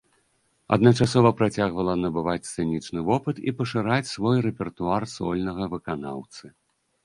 Адначасова працягвала набываць сцэнічны вопыт і пашыраць свой рэпертуар сольнага выканаўцы.